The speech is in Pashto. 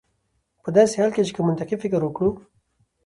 په داسې حال کې چې که منطقي فکر وکړو